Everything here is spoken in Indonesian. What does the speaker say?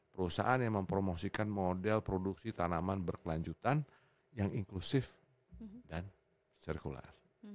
perusahaan yang mempromosikan model produksi tanaman berkelanjutan yang inklusif dan sirkular